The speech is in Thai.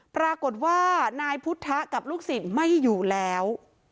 ปรากฏว่านายพุทธกับลูกศิษย์ไม่อยู่แล้ว